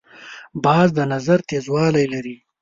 باز د نظر تیزوالی لري